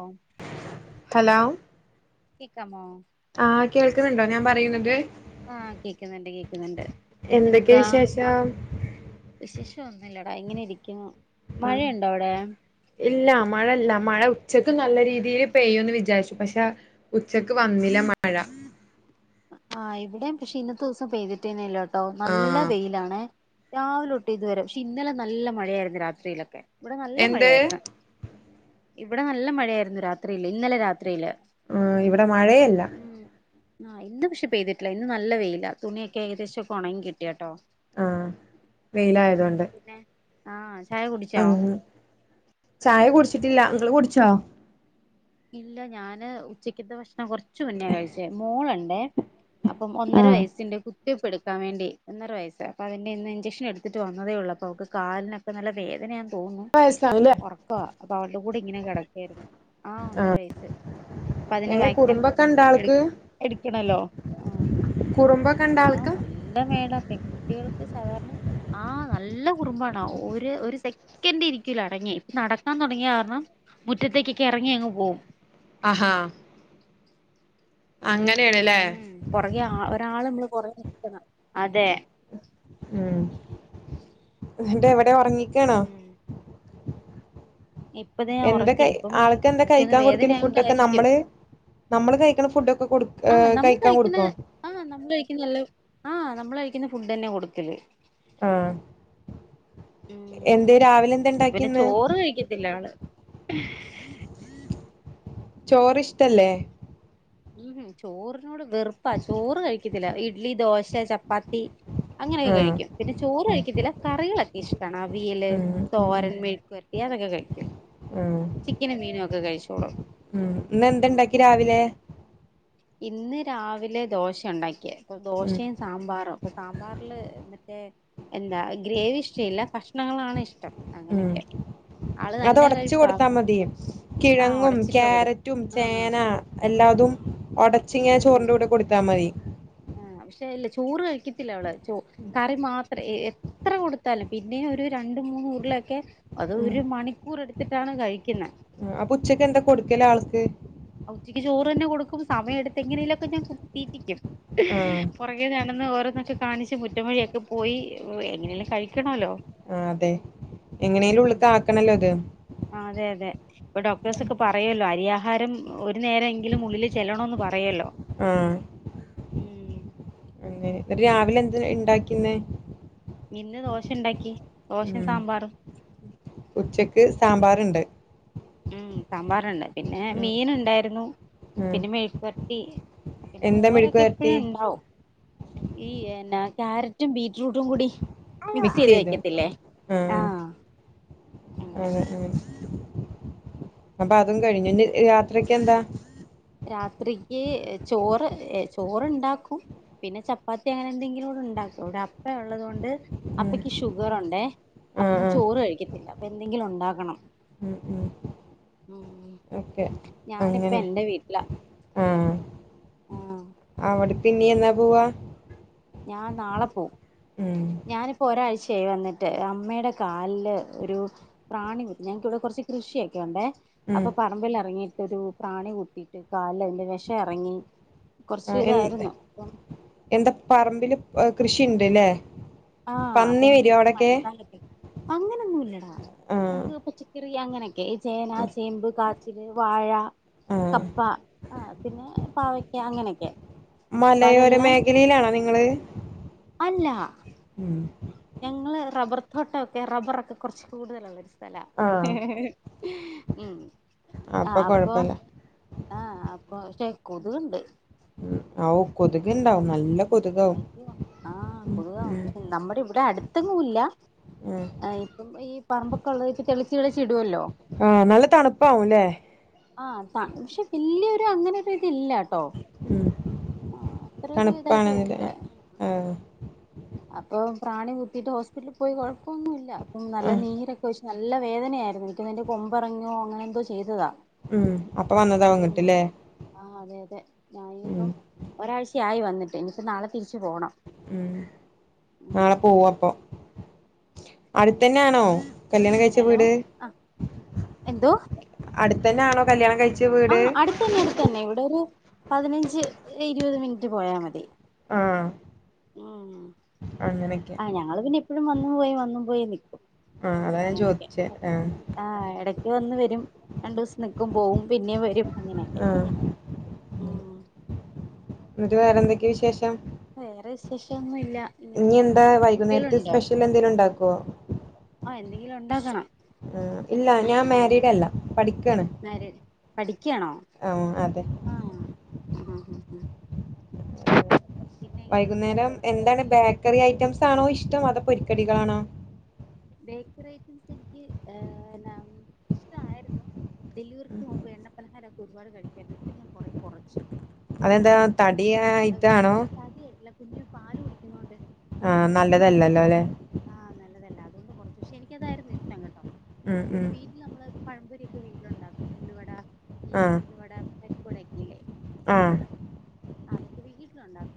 ഓ hello കേക്കാമോ ആഹ്കേൾ- ക്കന്നുണ്ടൊ ഞാൻ പറയുന്നത് ആഹ് കേക്കുന്നുണ്ട് കേക്കുന്നുണ്ട് എന്തൊക്കെ എന്തെടുക്കാ വിശേഷം വിശേഷം ഒന്നുല്ലടാ ഇങ്ങനെ ഇരിക്കുന്നു ആഹ് മഴയുണ്ടോ അവിടെ ഇല്ല മഴല്ല മഴ ഉച്ചക്ക് നല്ല രീതിയില് പെയ്യുന്ന് വിചാരിച്ച് പഷ ഉച്ചക്ക് വന്നില്ല മഴ ആഹ് ഇവിടെം പഷെ ഇന്നത്തൂസം പെയ്തിട്ടന്നില്ലട്ടോ നല്ല ആഹ് വെയിലാണെ രാവിലോട്ട് ഇതുവരെ പഷെ ഇന്നലെ നല്ല മഴയാരന്നു രാത്രീലൊക്കെ ഇവിടെ നല്ല എന്ത് മഴയാരന്ന് ഇവിടെ നല്ല മഴയാരുന്നു രാത്രില് ഇന്നലെ രാത്രില് ആഹ് ഇവിടെ മഴയേല്ല ഉം ആഹ് ഇന്ന് പഷെ പെയ്തിട്ടില്ല ഇന്ന് നല്ല വെയ്ല തുണിയൊക്കെ ഏകദേശൊക്കെ ഒണങ്ങി കിട്ടിയട്ടോ ആഹ് ഉം വെയിലായതുകൊണ്ട് പിന്നെ ആഹ് ചായ കുടിച്ചോ ആഹ് ചായ കുടിച്ചിട്ടില്ല ഇങ്ങള് കുടിച്ചോ ഇല്ല ഞാന് ഉച്ചക്കത്തെഭക്ഷണം കൊറച്ച്മുന്നയ കഴിച്ചേ മോളൊണ്ടേ അപ്പം ഒന്നര ആഹ് വയസിന്റെ കുത്തി- തിവെപ്പ് എടുക്കാവേണ്ടി ഒന്നരവയസ് അപ്പ അതിന്റെ ഇന്ന് ഇഞ്ചെഷൻ എടുത്തിട്ട് വന്നതേയൊള്ള് അപ്പവക്ക് കാലിനൊക്കെ നല്ല വേദനയ- തോന്നുന്നു വയസ്സാവുല്ലേ ഒറക്കവാ അപ്പവൾടെകൂടെ ഇങ്ങനെ കെടക്കാരുന്നു ആഹ് ഒന്നരവയ്സ് അപ്പൊ അതിന്റെ എങ്ങനെ വാക്സിൻ കുറുമ്പൊക്കെ ഇണ്ട എട് ആൾക്ക് എടുക്കണല്ലോ ആഹ് കുറുമ്പൊക്കെ ഇണ്ട ഞാ ആൾക്ക് നല്ലമേടാ പെങ്കുട്ടികള് സാധാരണ ആഹ് നല്ല കുറുമ്പാണ് ഒര് ഒര് സെക്കൻഡിരിക്കൂല്ല അടങ്ങി നടക്കാ- തൊടങ്ങിയാരണം മുറ്റത്തേക്കെക്കെ എറങ്ങി അങ്ങ്പോം ആ ആഹാ അങ്ങനെയാണ്ല്ലേ ഉം പൊറകെ ആള് ഒരാള് മ്മള് പൊറകെനിക്കണം അതെ ഉം എന്റെ എവിടെ ഒറങ്ങിക്കാണോ ഇപ്പതെ ഞാഒറക്കി കൈ ഇപ്പം ആൾക്ക് എന്താ എനിക്കോന്ന് കഴിക്കാൻ കൊടുക്കല് ഫുഡൊക്കെ വേദനയായോണ്ടാരിക്കും നമ്മള് നമ്മള് കഴിക്കണ ഫുഡൊക്കെ കൊടു ആഹ് നമ്മൾ കഴിക്കാൻ കഴിക്കുന്ന കൊടുക്കോ ആഹ് നമ്മ കഴിക്കുന്നെല്ലാം ആഹ് നമ്മളഴിക്കുന്ന ഫുഡെന്ന കൊടുക്കല് ആഹ് ഉം എന്തേ രാവിലെ എന്താ പിന്നെ ഇണ്ടാക്കിന്ന് ചോറ് കഴിക്കത്തില്ല ആള് [unintelligible] ചോറിഷ്ടല്ലെ ഊഹ് ചോറിനോട് വെറുപ്പാ ചോറ് കഴിക്കത്തില്ല ഇഡ്ലി ദോശ ചപ്പാത്തി അങ്ങനെക്കെ ആഹ് കഴിക്കും പിന്നെ ചോറ് ഉം കഴിക്കതില കറികളൊക്കിഷ്ടാണ് അവിയല് ഉം ഉം തോരൻ മെഴ്ക്ക് പെര- യതൊക്കെ കഴിക്കും ഉം ചിക്കനും മീനും ഒക്കെ കഴിച്ചോളും ഉം ഇന്നെന്തെണ്ടാക്കി ഉം രാവിലെ ഇന്ന് രാവിലെ ദോശ ഒണ്ടാക്കിയെ ഉം ദോശേം സാമ്പാറും അപ്പൊ സാമ്പാറില് മറ്റേ എന്താ ഗ്രേവി ഇഷ്ടീല്ല കഷ്ണങ്ങളാണ് ഇഷ്ടം ഉം അങ്ങനൊക്കെ അത് ഒടച്ച്കൊടുത്താ മതി ആഹ് കിഴങ്ങും ഉടച്ചിട്ടാ കൊടുക്ക ക്യാരറ്റും ആഹ് ചേന എല്ലാതും ഒടച്ചിങ്ങ ഉം ചോറിന്റൂടെ കൊടുത്താമതി ആഹ് പഷെല്ലെ ചോറ് കഴിക്കത്തില്ലവള് ചോ കറി മാത്- എത്ര കൊടുത്താലും പിന്നേം ഒരു രണ്ട് മൂന്നുരുളെക്കെ അത് ഒരു മണിക്കൂറെട്- ത്തിട്ടാണ് കഴിക്കുന്നെ ആഹ് അപ്പൊ ഉച്ചക്കെന്താ കൊടുക്കലാൾക്ക് ഉച്ചയ്ക്ക് ചോറന്നെ കൊടുക്കും സമയെടുത്തെങ്ങനേലൊക്കെ ഞാ കുത്തിതീറ്റിക്കും ആഹ് പൊറകെനട- ഓരോന്നൊക്കെ കാണിച്ച് മുറ്റം വഴിയെക്കെപോയി എങ്ങനേലും കഴിക്ക്- ആഹ് അതെ എങ്ങനേലും ഉള്ളിൽക്കാക്കണല്ലോത് ആഹ് അതെ അതെ ഇപ്പൊ ഡോക്ടേഴ്സൊക്കെ പറയല്ലോ അരിയാഹാരം ഒരു നേരെങ്കിലും ഉള്ളില് ചെല്ലണോന്ന് പറയല്ലോ ആഹ ഉം അതേ രാവിലെ എന്ത് ഉണ്ടാക്കിന്ന് ഇന്ന് ദോശ ഉണ്ടാക്കി ദോശയും സാമ്പാറും ഉച്ചക്ക് സാമ്പാറ്ണ്ട് ഉം സാമ്പാറണ്ട് പിന്നെ ഉം. മീൻ ഉണ്ടായിരുന്നു ഉം. പിന്നെ മെഴുക്കുവരട്ടി പിന്നെ എന്താ മെഴുക്ക് മോരൊക്കെ വരട്ടി? എപ്പഴും ഉണ്ടാവും ഈ കാരറ്റും ബീറ്റ് ഫ്റൂട്ടും കൂടി മിക്സ് ചെയ്ത് മിക്സെയ്തോ? വെക്കത്തില്ലേ ആ ആഹ് ആ അപ്പൊ അതും കഴിഞ്ഞു ഇനി രാത്രിക്ക് എന്താ രാത്രിക്ക് ചോറ് ഏ ചോറുണ്ടാക്കും പിന്നെ ചപ്പാത്തി അങ്ങനെ എന്തെങ്കിലൂട ഉണ്ടാക്കും ര അപ്പ ഉള്ളത് കൊണ്ട് ഉം. അപ്പക്ക് ഷുഗറുണ്ടെ ആ അപ്പം ആ. ചോറ് കഴിക്കത്തില്ല എന്തെങ്കിലും ഉണ്ടാക്കണം ഉം ഉം ഉം ഓക്കെ. ഞാനിപ്പ അങ്ങനെ. എൻ്റെ വീട്ടിൽ ല ആ അവിടെ പിന്നെ എന്നാ പോവാ ഞാൻ നാളെ പോവും ഉം. ഞാനിപ്പോ ഒരാഴ്ചയായി വന്നിട്ട് അമ്മയുടെ കാലില് ഒരു പ്രാണി കുത്തി ഞങ്ങക്കിവിടെ കുറച്ച് കൃഷിയൊക്കെ ഉണ്ടേ ഉം. അപ്പൊ പറമ്പിൽ ഇറങ്ങിയിട്ട് ഒരു പ്രാണി കുത്തിയിട്ട് കാലിലു വെഷം എറങ്ങി ആ കൊറച്ച് എൻ ഇതായിരുന്നു അപ്പം എന്താ പറമ്പില് കൃഷിണ്ട്ല്ലേ ആഹ് പന്നി അപ്പം വരോ ഇപ്പ അവടൊക്കെ? മഴക്കാലം അല്ലേ അങ്ങനൊന്നും ഇല്ലടാ ആ. നമ്മക്ക് അങ്ങനെയൊക്കെ ചേന ചേമ്പ് കാച്ചിൽ വാഴ ആഹ് കപ്പ ആ പിന്നെ പാവക്ക അങ്ങനെക്കെ മലയോര മേഖലയിലാണോ നിങ്ങള് അല്ല ഉം ഞങ്ങള് റബ്ബർ തോട്ടം ഒക്കെ റബ്ബറൊക്കെ കുറച്ച് കൂടുതലാണ് സ്ഥലാ ആഹ് ഉം ആഹ് അപ്പൊ ആഹ് അപ്പൊ ക്ഷേ കൊതുകുണ്ട് ഉം കൊതുക് ണ്ടാവും നല്ല കൊതു അ ആഹ കൊതുക പക്ഷെ നമ്മുടെ ഇവിടെ അടുത്തങ്ങുംല്ല ഉം ആ ഇപ്പം ഈ പറമ്പൊക്കെ ഉള്ളത് ഇപ്പൊ തെളിച്ച് തെളിച്ചിടുവല്ലോ ആഹ് നല്ല തണുപ്പാവുംല്ലേ ആഹ് അതാണ് പക്ഷെ വലിയൊരു അങ്ങനെ ഒരു ഇതി ഇല്ല ണ്ടോ ഉം ആ അത്രേ ഒരു തണുപ്പാണെന്നില്ലേ രില്ല ആഹ് അപ്പൊ പ്രാണി കുത്തിയിട്ട് ഹോസ്പിറ്റലിൽ പോയി കുഴപ്പം ഒന്നും ഇല്ല അപ്പ ആഹ് നീരൊക്കെ വ നല്ല വേദനയായിരുന്നു എനിക്ക്തിൻ്റെ കൊമ്പറങ്ങോ അങ്ങനെ എന്തോ ചെയ്തതാണ് ഉം അ ഉ ആ അതെ അതെ ഉം ഞൻയിപ്പം ഒരാഴ്ചയയി വന്നു ഇനിപ്പോ നാളെ തിരിച്ച് പോകണം ഉം നാളെ പോവപ്പൊ അടുത്തന്നണോ കല്യാണം കഴിച്ച ഹലോ വീട് ആഹ് എന്തോ അടുത്ത തന്നെ ആണോ കല്യാണം കഴിച്ച വീട് ആഹ് അടുത്തന്നെ അടുത്തതന്നെ ഇവിടെ ഒരു പതിനഞ്ച് ഇരുപത് മിനിറ്റ് പോയാൽ മതി ആഹ ഉ ആ ഞങ്ങള് പിന്നെ എപ്പോഴും വന്നും പോയി വന്നും പോയി നൽക്കും ആഹ് അതാ ഞാൻ അങ്ങനെയൊക്കെ ചോദിച്ചേ ആഹ് ആ ഇടക്ക് വന്ന് വരു രണ്ടു ദിവസം നിൽക്കും പോവും പിന്നെ വരും അങ്ങനെയൊക്കെ ആഹ് ഉം എന്നിട്ട് വേറെ എന്തൊക്കെ വിശേഷം വേറെ വിശേഷമൊന്നുമില്ല ഇനി എന്താ വൈകുന്നേരത്തെ സ്പെഷ്യൽ എന്തേലും ഉണ്ടാക്കോ ആ എന്തെങ്കിലും ഉണ്ടാക്കണം ഇല്ല ഞാൻ ഉം മാരീഡ് അല്ല പഠിക്കാണ് മാര് പഠിക്കാണോ ആ അതെ ആഹ് ഏഹ് [inaudible] എങ്ങനെയാണ് പോകുന്നു വൈകുന്നേരം എന്താണ് പഠിത്തൊക്കെ ബേക്കറി ഐറ്റംസ് ആണോ ഇഷ്ടം അതോ പൊരിക്കടികളാണോ ബേക്കറി ഐറ്റംസ് എനിക്ക് ഇഷ്ടമായിരുന്നു ഡെലിവറിക്ക് ഉം. മുമ്പ് എണ്ണ പലഹാരമൊക്കെ ഒരുപാട് കഴിക്കാരുന്നിട്ട് ഞാൻ കുറെ കുറച്ചു അതെന്താ തടി ആയിട്ടാണോ? പതിയായിട്ടില്ല കുഞ്ഞു പാൽ കുടിക്കുന്നോണ്ട് ആ നല്ലതല്ലല്ലോ അല്ലെ അതല്ല അതുകൊണ്ട് കുറച്ചു പക്ഷെ എനിക്കതായിരുന്നു ഇഷ്ടം കേട്ടോ ഉം എന്ന പിന്ന ഉം വീട്ടിൽ നമ്മൾ പഴംപൊരി ഒക്കെ വീട്ടിലുണ്ടാക്കും ഉള്ളിവട ഈ ആഹ് ഉഴുന്നുവട പരിപ്പുവടയൊക്കെ ഇല്ലേ ആഹ് വീട്ടിലുണ്ടാക്കും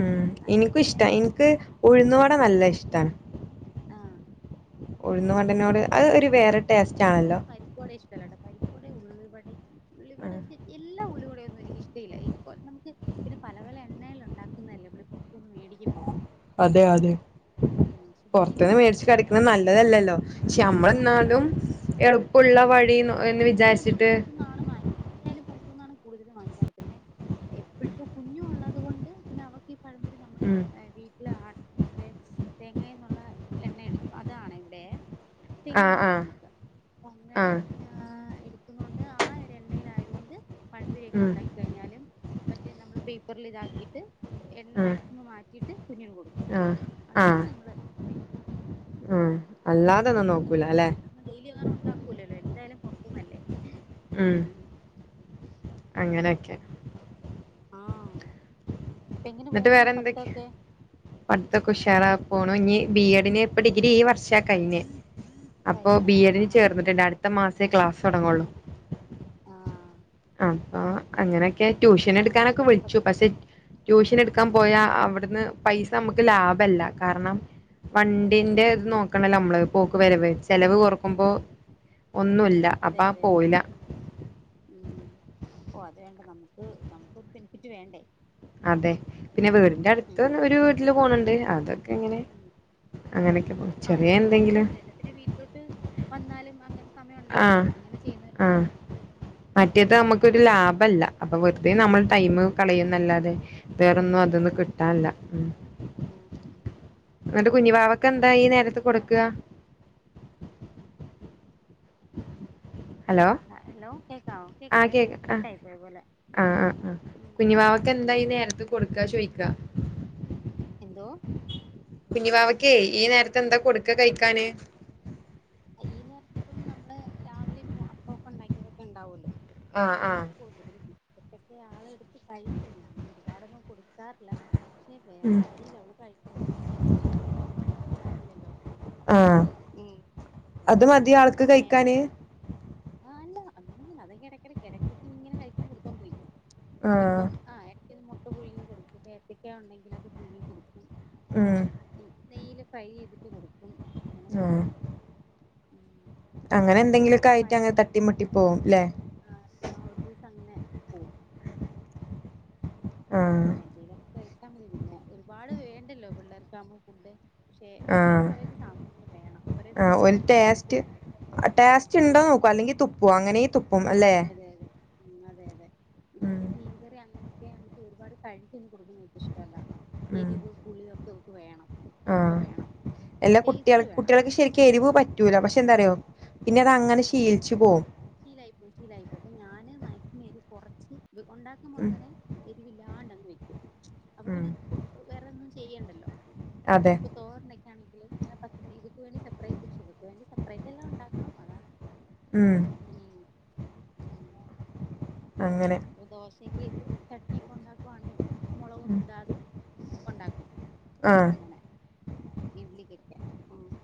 ഉം എനിക്ക് ഇഷ്ടാ എനിക്ക് ഉഴുന്നുവട നല്ല ഇഷ്ടാണ് ആ ഉഴുന്നവടനോട് അത് ഒരു വേറെ ടേസ്റ്റ് എനിക്ക് ആണല്ലോ. പക്ഷേ പരിപ്പുവട ഇഷ്ടമല്ലാട്ടോ പരിപ്പോടെ ഉള്ളിവട ഉള്ളിവട ആഹ് എല്ലാം ഉള്ളിവടയൊന്നും എനിക്ക് ഇഷ്ടം ഇല്ല നമുക്ക് പിന്നെ പല പല എണ്ണകൾ ഉണ്ടാക്കുന്നതല്ലേ ഇവർ പുറത്തുനിന്ന് മേടിക്കുമ്പോ അതെ അതെ പുറത്തുന്ന് വീട്ടില് നമ്മള് മേടച്ച് തന്നെ കഴിക്കുന്നത് നല്ലതല്ലല്ലോ പക്ഷെ നമ്മൾ എന്നാലും നല്ലതല്ല ഉം അ കൂടുതൽ നമ്മൾ പുറത്തു നിന്നാണ് വാങ്ങ എന്തായാലും ആണ് കൂടുതലും വാങ്ങിക്കാറ് പിന്നെ എപ്പഴിപ്പോ കുഞ്ഞു ഉള്ളത് കൊണ്ട് പിന്നെ അവൾക്ക് [inaudible] നമ്മുടെ ഉം വീട്ടിൽ ആ മറ്റേ തേങ്ങന്നുള്ള എണ്ണ എടുക്കും അതാണ് എൻ്റെ ആഹ് തെങ്ങുണ്ട് ആഹ് നമുക്ക് അപ്പൊ അങ്ങനെ ആഹ് ആ ണ്ട് ആ ഒരു എണ്ണയിൽ ആയതുകൊണ്ട് പഴം പൊരിയൊക്കെ ഉം ഉണ്ടാക്കി കഴിഞ്ഞാലും മറ്റേ നമ്മൾ പേപ്പറിൽ ഇതാക്കിയിട്ട് എണ്ണ ഉം മാക്സിമം മാറ്റിയിട്ട് കുഞ്ഞിന് കൊടുക്കും ആഹ് അങ്ങനെ ആഹ് നമ്മൾ ക ഉം അല്ലാതൊന്നും അല്ലെങ്കിൽ നോക്കൂല നമ്മൾ അല്ലെ ഇതൊന്നും ഡെയിലി അങ്ങനെ ഉണ്ടാക്കൂല്ലല്ലോ എന്തായാലും പുറത്തുന്നല്ലേ ഉം ങ്ങനെ ആക്ക്യ ആ എന്നിട്ട് വേറെന്തൊക്കെയ പഠിത്തൊക്കെ ഉഷാറാ പോണം ഇനി ബിഎഡി ഇപ്പൊ ഡിഗ്രി ഈ വർഷ കഴിഞ്ഞേ അപ്പൊ കഴിഞ്ഞ് ആഹ് ബിഎഡിന് ആഹ് ആഹ് ചേർന്നിട്ടുണ്ട് അടുത്ത മാസേ ക്ലാസ് തുടങ്ങ ഉള്ളൂ ആഹ് അപ്പൊ അങ്ങനൊക്കെ ട്യൂഷൻ അപ്പൊ എടുക്കാനൊക്കെ നന്നായിട്ടൊക്കെ വിളിച്ചു പഠി പക്ഷെ ട്യൂഷൻ എടുക്കാൻ ഉം പോയാ അവിടുന്ന് പൈസ നമുക്ക് ലാഭല്ല കാരണം കൊഴപ്പല്ല വണ്ടിന്റെ ഇത് ഉം നോക്കണല്ലോ നമ്മൾ പോക്ക് വരവ് ചെലവ് പിന്നെ കുറക്കുമ്പോ പിന്നെ ഒന്നുല്ല അതെ അപ്പാ അതെ പോയില്ല ഉം ഉം ഓ അത് വേണ്ട നമുക്ക് നമുക്ക് ബെനിഫിറ്റ് വേണ്ടേ അതെ പിന്നെ വീടിന്റെ ഉം അടുത്ത് ഒരു വീട്ടിൽ പോണണ്ട് അ പോവും. ആ ചെറിയ അടുത്തക്കാണ് എന്തെങ്കിലും കുഴപ്പില്ല എല്ലാത്തിനും വീട്ടിലോട്ട് വന്നാലും അങ്ങനെ സമയം ആ ഉണ്ടെങ്കിലേ അങ്ങനെ ആ ചെയ്യുന്നവരുണ്ടല്ലോ മറ്റേത് ഉം നമുക്കൊരു ലാഭല്ല അപ്പൊ വ അത നമ്മൾ ടൈം ഉം കളയുന്നല്ലാതെ വേറൊന്നും അതെ അതൊന്ന്ന് അതെ അതെ കിട്ടല്ല ഉം ഉം എന്നിട്ട് കുഞ്ഞുവാവക്കെ എന്താ ഈ നേരത്ത് കൊടുക്കുക ഹലോ ആഹഹ ഹലോ കേക്ക കേക്ക ആഹ് കട്ട ആഹ് ആയി പോയ പോലെ ആഹ് ആ് ആ് ഉം കുഞ്ഞിവാവക്കെ എന്താ നേരത്ത് കൊടുക്കാ ചോയിക്കാ ന്തോ കുഞ്ഞിവാവക്കേ ഈ നേരത്തെ എന്താ കൊടുക്ക കഴിക്കാന് ഈ നേരത്തി ഇപ്പം നമ്മള് രാവിലെ ഇപ്പൊ അപ്പൊക്കെ ഉണ്ടാക്കിയതൊക്കെ ഉണ്ടാവൂല്ലോ ആഹ് ആഹ് അങ്ങനെയൊക്കെ കൊടുക്കതിന് ബിസ്ക്കറ്റൊക്കെ ആൾ എടു കഴിക്കും പിന്നെ ഒരുപാടൊന്നും കൊടുക്കാറില്ല പക്ഷെ വേറെ ഉം വഴിയില്ല അവള് കഴിക്കും ഇപ്പൊ കഴിക്കും അങ്ങനൊന്നും പറഞ്ഞിട്ട കാര്യല്ലല്ലോ ആഹ് അത് ഉങ്ങനക്ക മതി കൊടുക്കും ആൾക്ക് കഴിക്കാന് പിന്നെഏത്തക്ക ആ അ അതിടക്കിടക്ക് ഇങ്ങനെ കഴിക്കൻ കൊടുത്തോണ്ടിരിക്കും ആഹ് ഇപ്പം ആ ഇ പുഴുങ്ങി കൊടുക്കും ഏത്തക്ക ഉണ്ടെങ്കിൽ അത് പുഴുങ്ങി കൊടുക്കും ഉം നെയ്യിൽ ഫ്രൈ ചെയ്തിട്ട് കൊടുക്കും അങ്ങനെയൊക്കെ കഴ ആഹ് അങ്ങനെ എന്തെങ്കിലുക്കെ ആയിട്ട് അങ്ങനെ തട്ടിമുട്ടി പോകുംല്ലേ ആഹ പി ഒരു ദിവസം അങ്ങനെ പോവും ആഹ് പിന്നെ എന്തേലുംക്കെ കഴിച്ചാ മതി പിന്നെ ഒരുപാട് വേണ്ടല്ലോ പിള്ളേർക്കവുമ്പോൾ ഫുഡ് പക്ഷെ ആഹ് വെറൈറ്റി വെറൈറ്റി സാധനങ്ങൾ വേണം ഒരേ ആഹ് സാധനം ഒരു തന്നെ ന ടേസ്റ്റ് മടിക്കത്തിേ ടേസ്റ്റ് ഉണ്ടോന്ന് നോക്കോ അല്ലെങ്കിൽ തുപ്പോ അങ്ങനെ തുപ്പും അല്ലെ ഉ അതെ അതെ ഇത് ഉം പിന്നെ മീൻകറി അങ്ങനെയൊക്കെ നമക്ക് ഒരുപാട് കഴ കൊടുക്കുന്നക്ക ഇഷ്ടമല്ല ഉം എരിവ് പുളിയ ഒക്കെക്ക് വേണം ഉപ്പൊക്കെ ആഹ് വേണം എല്ലാ കുട്ടികൾ ടേസ്റ്റ് വേണം കുട്ടികൾക്ക് ശരിക്കും എരിവ് പറ്റൂല പക്ഷെ എന്താറിയോ പിന്നെ ആ അത് അങ്ങനെ ശീലിച്ചു പോവും ശീലായിപ്പോ ശീലായിപ്പോ അപ്പൊ ഞാന് മാക്സിമം എരു കൊറച്ച് ഉണ്ടാക്കുമ്പോ ഉം അങ്ങനെ എരിവില്ലാണ്ട്ങ്ങ് വക്കും അപ്പൊ ഉം. പിന്നെ വേറെന്നും ചെയ്യണ്ട ല്ലോ അതെ. തോരനോക്കൊണെങ്ക അങ്ങനെ പത്ത്മി ഇ [unintelligible] സെപ്പററ്റ് എല്ലാം ഉണ്ടാവും ഉ അങ്ങ ദോശക്ക ചട്നിയൊക്കെ ഉണ്ടാക്കുവാണെങ്കിൽ മുളകൊന്നും ഉം. ഇടാതെ ഉണ്ടാക്കും ആഹ്. അങ്ങണെ [unintelligible]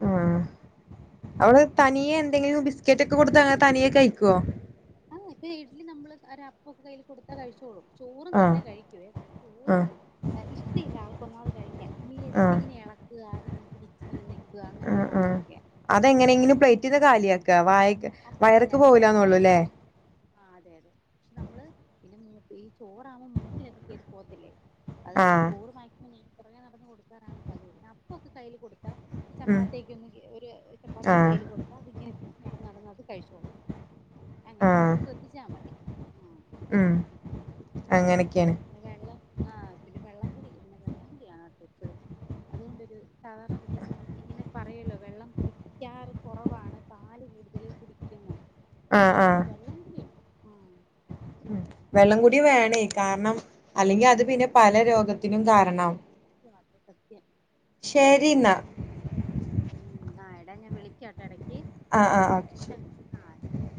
അവിടെ തനിയെ എന്തെങ്കിലും ബിസ്ക്കറ്റ് ഒക്കെ കൊടുത്ത അങ്ങനെ തനിയെ കഴിക്കുവോ ഇപ്പ ഇഡലി നമ്മള് ഒ ഒരു അപ്പൊക്ക കയ്യിൽ കൊടുത്താ കഴിച്ചോളും ചോറ് ആഹ്. തന്നെ കഴിക്കുവേ ചോറ് ആഹ്. ഇഷ്ട ഇല്ല ആൾക്കൊന്നാവത് കഴിക്കാൻ പിന്നെതിട്ട് ആഹ്. ഇങ്ങനെയ നക്കുക അതിങ്ങനെ പിടിച്ച ഇങ്ങനെ നെക്കുക അങ്ങനത്തെ ആഹ് ആഹ്. സാധനങ്ങളൊക്കെയ അങ്ങനെയൊക്കെ ചെയ്യുള്ളൂ വയറക്ക് പോവൂലാ ന്ന് ള്ളൂല്ലേ ആ അതെ അതെ പക്ഷെ നമ്മള് പിന്നെ മൂ ഈ ചോറാവുമ്പോൾ മൂട്ടിലൊക്കെ കേയറി പോകത്തില്ലേ അത് കാരണം ആഹ്. ചോട് മാക്സിമം ഞാൻ പുറകെ നടന്നന്ന് കൊടുക്കറാണ് പതിവ അപ്പൊെ കയ്ൽ കൊടുത്താ ഉം. ചപ്പാത്തിക്ക ഒ ഒരു ചപ്പാത്തിക്ക് ആഹ്. കയ്യിൽ കൊടുത്ത അത്ങ്ങനെ ഫക് നടന്നാണെന്ന് അത് കഴിച്ച അങ്ങനെ ആഹ്. ഒന്ന് ശ്രദ്ധിച്ചാ മതി ഉ ഉം അങ്ങനെക്കേണ്. പിന്നെ വെള്ളം ആഹ പിന്നെ വെള്ളം കുടി ഇതിനെ വൻ കൂടിയാണ് അത് അതുകൊണ്ടൊരു സാധാരണ കുട്ടപ്പം ഇങ്ങനെ പറയല്ലോ വെള്ളം കുടിക്കാറ് കുറവാണ് പാല് കടുതൽ കുടിക്കുന്നു ആഹ് ദശം വെള്ളംകടി ഉ ഉ വെള്ളം കൂടി വേണേ കാരണം അല്ലെങ്കിൽ ഉം അത് പിന്നെ പല രോഗത്തിനും കാരണം ത സത്യ ശരിന ഉം ആ എടാ ഞാൻ വിളിക്കാംാട്ടെ ഇടക്ക് ആഹ ആഹ ശ ആഹ് ശരി